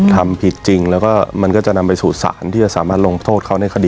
ทำผิดจริงแล้วก็มันก็จะนำไปสู่ศาลที่จะสามารถลงโทษเขาในคดี